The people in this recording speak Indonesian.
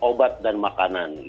obat dan makanan